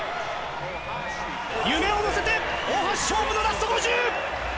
夢を乗せて大橋、勝負のラスト５０！